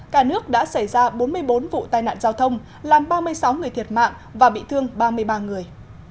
cả nước đã xảy ra bốn mươi bốn vụ tai nạn giao thông làm ba mươi sáu người thiệt mạng và bị thương ba mươi ba người